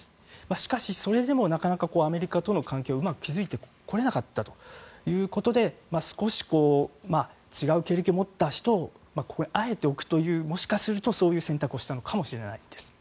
しかし、それでもなかなかアメリカとの関係をうまく築いてこれなかったということで少し違う経歴を持った人をここにあえて置くというもしかするとそういう選択をしたのかもしれないです。